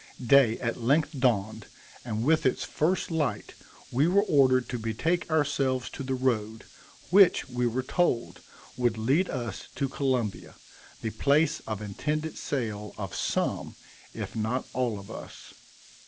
Day at length dawned, and with its first light we were ordered to betake ourselves to the road, which, we were told, would lead us to Columbia, the place of intended sale of some, if not all of us.